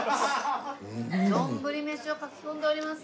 どんぶり飯をかき込んでおります！